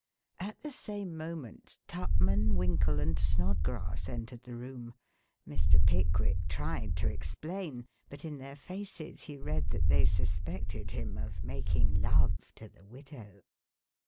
At the same moment Tupman, Winkle and Snodgrass entered the room. Mr. Pickwick tried to explain, but in their faces he read that they suspected him of making love to the widow.